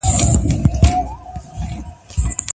سياست د مصلحتونو علم هم بلل کيږي.